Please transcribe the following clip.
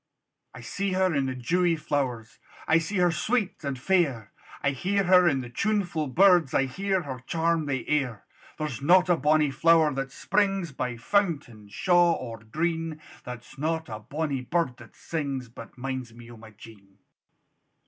I see her in the dewey flowers, I see her sweet and fair; I hear her in the tunefu' birds, I hear her charm the air: There's not a bonnie flower that springs By fountain, shaw, or green, There's not a bonie bird that sings, But minds me o' my Jean.